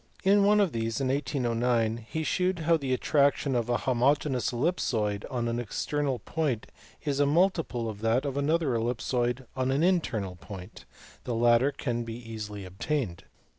In one of these, in 1809, he shewed how the attraction of a homogeneous ellipsoid on an external point is a multiple of that of another ellipsoid on an internal point: the latter can be easily obtained.